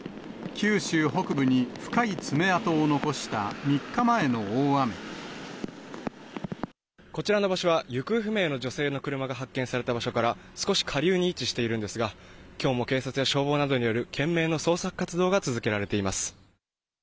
九州北部に深い爪痕を残したこちらの場所は、行方不明の女性の車が発見された場所から、少し下流に位置しているんですが、きょうも警察や消防などによる懸命の捜索活動が続けられています。